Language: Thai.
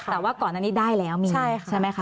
แต่ว่าก่อนอันนี้ได้แล้วมีใช่ไหมคะ